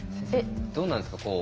どうなんですか？